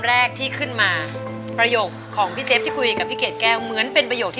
เลขที่๕นะครับมูลค่าแปดหมื่นบาท